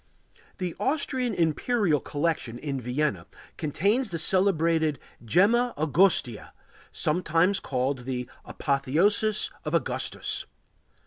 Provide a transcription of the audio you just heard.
The Austrian Imperial Collection in Vienna contains the celebrated Gemma Augustea, sometimes called the Apotheosis of Augustus.